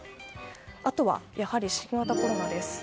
あとは、やはり新型コロナです。